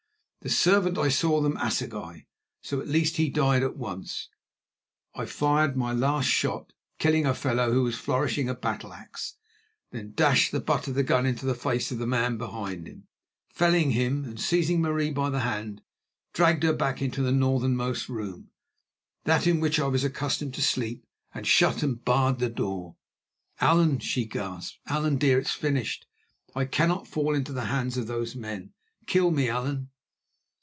The servant I saw them assegai, so at least he died at once. I fired my last shot, killing a fellow who was flourishing a battle axe, then dashed the butt of the gun into the face of the man behind him, felling him, and, seizing Marie by the hand, dragged her back into the northernmost room—that in which I was accustomed to sleep—and shut and barred the door. "Allan," she gasped, "Allan dear, it is finished. I cannot fall into the hands of those men. Kill me, Allan."